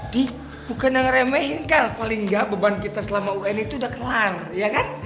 nih bukan yang ngeremehin kan paling gak beban kita selama wn itu udah kelar ya kan